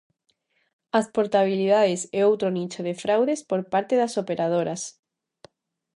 As portabilidades é outro nicho de fraudes por parte das operadoras.